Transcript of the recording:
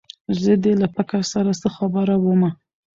زه دې له پکه سره څه خبره ومه